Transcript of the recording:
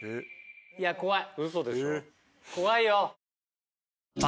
いや怖い。